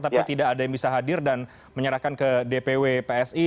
tapi tidak ada yang bisa hadir dan menyerahkan ke dpw psi